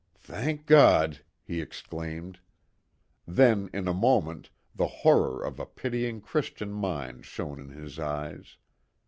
"Thank God," he exclaimed. Then, in a moment, the horror of a pitying Christian mind shone in his eyes.